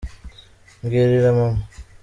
mbwirira mama